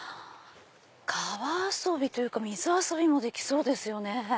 川遊びというか水遊びもできそうですよね。